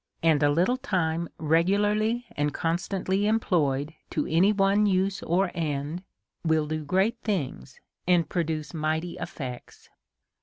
And a little time, re gularly and constantly employed to any one use or end, will do great things, and produce mighty effects.